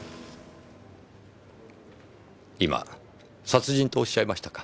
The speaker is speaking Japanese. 今殺人とおっしゃいましたか？